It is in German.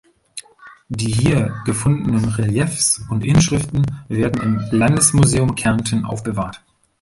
Die hier gefundenen Reliefs und Inschriften werden im Landesmuseum Kärnten aufbewahrt.